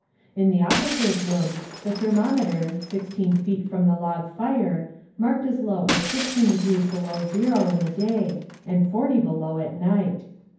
In the officers' room the thermometer, sixteen feet from the log fire, marked as low as fifteen degrees below zero in the day and forty below at night.